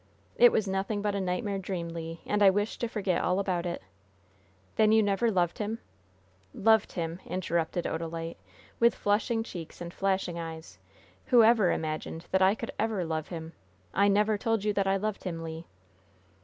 "It was nothing but a nightmare dream, Le, and I wish to forget all about it." "Then you never loved him " "Loved him!" interrupted Odalite, with flushing cheeks and flashing eyes. "Who ever imagined that I could ever love him? I never told you that I loved him, Le."